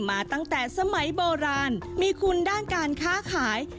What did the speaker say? มาตั้งแต่สมัยโบราณมีคุณด้านการค้าขาย